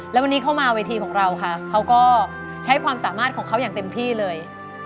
แล้ววันนี้เข้ามาเวทีของเราค่ะเขาก็ใช้ความสามารถของเขาอย่างเต็มที่เลย